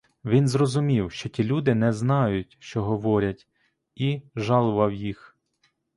Він розумів, що ті люди не знають, що говорять, і жалував їх.